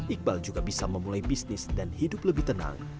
iqbal juga bisa memulai bisnis dan hidup lebih tenang